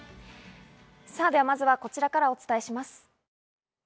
ではまずはこちらからお伝えします。